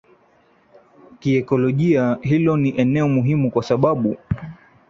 Kiekolojia hilo ni eneo muhimu kwa sababu